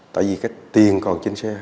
tại vì cái tiền còn trên xe